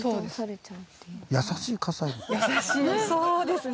優しいそうですね。